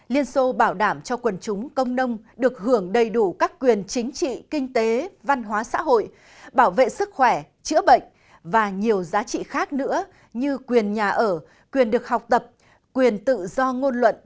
liên xô bảo đảm cho quần chúng công nông được hưởng đầy đủ các quyền chính trị kinh tế văn hóa xã hội bảo vệ sức khỏe chữa bệnh và nhiều giá trị khác nữa như quyền nhà ở quyền được học tập quyền tự do ngôn luận